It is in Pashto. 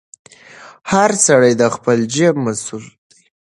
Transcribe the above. هر سړی د خپل جیب مسوول دی.